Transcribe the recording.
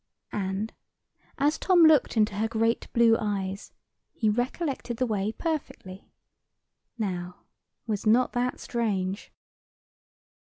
And, as Tom looked into her great blue eyes, he recollected the way perfectly. Now, was not that strange?